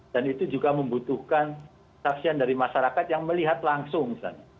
dan itu juga membutuhkan saksian dari masyarakat yang melihat langsung